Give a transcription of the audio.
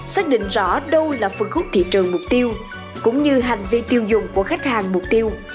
xác định rõ đâu là phân khúc thị trường mục tiêu cũng như hành vi tiêu dùng của khách hàng mục tiêu